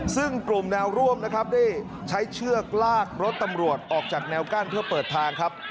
ซึ่งกลุ่มแนวร่วมนะครับได้ใช้เชือกลากรถตำรวจออกจากแนวกั้นเพื่อเปิดทางครับ